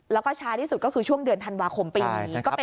แล้วก็ช้าที่สุดก็คือช่วงเดือนธันวาคมปีนี้